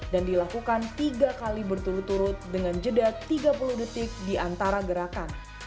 dan dilakukan tiga kali berturut turut dengan jeda tiga puluh detik di antara gerakan